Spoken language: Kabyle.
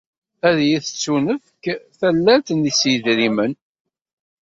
Ad iyi-tettunefk tallalt s yidrimen?